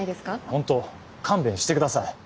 本当勘弁してください。